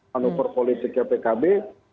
manuver politiknya pkb